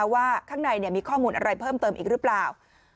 ว่าข้างในมีข้อมูลอะไรเพิ่มเติมอีกหรือเปล่า